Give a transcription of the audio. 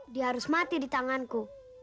dia harus mati di tanganku